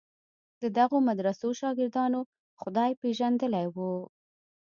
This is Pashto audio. د دغو مدرسو شاګردانو خدای پېژندلی و.